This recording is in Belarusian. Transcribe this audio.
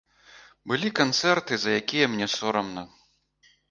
Былі канцэрты, за якія мне сорамна.